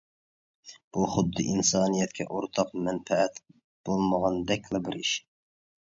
بۇ خۇددى ئىنسانىيەتكە ئورتاق مەنپەئەت بولمىغاندەكلا بىر ئىش.